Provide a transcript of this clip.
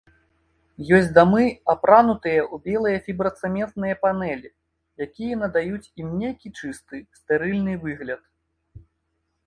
Ёсць дамы, апранутыя ў белыя фібрацэментныя панэлі, якія надаюць ім нейкі чысты, стэрыльны выгляд.